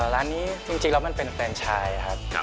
ร้านนี้จริงแล้วมันเป็นแฟนชายครับ